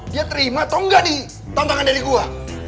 dia terima atau enggak nih tantangan dari gua